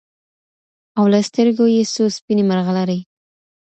او له سترګو يې څو سپيني مرغلري